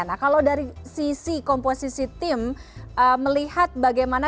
nah kalau dari sisi komposisi tim melihat bagaimana